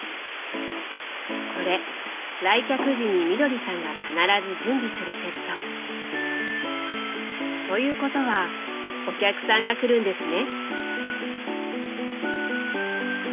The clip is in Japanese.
これ来客時にみどりさんが必ず準備するセット。ということはお客さんが来るんですね。